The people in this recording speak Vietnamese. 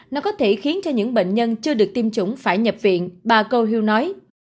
nó có thể khiến cho những bệnh nhân chưa được tiêm chủng phải nhập viện bà gohil nói